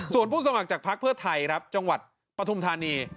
ส่วนผู้สมัครจากภักดิ์เพื่อไทยจังหวัดประธุมธานี